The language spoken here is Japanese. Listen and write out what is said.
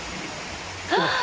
ああ！